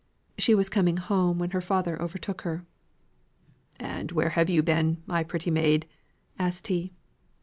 She was coming home when her father overtook her. "And where have you been, my pretty maid?" asked he.